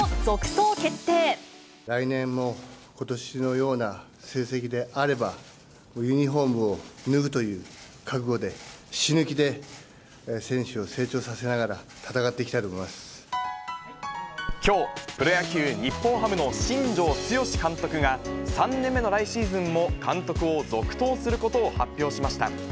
来年もことしのような成績であれば、ユニホームを脱ぐという覚悟で死ぬ気で選手を成長させながら戦っきょう、プロ野球・日本ハムの新庄剛志監督が、３年目の来シーズンも監督を続投することを発表しました。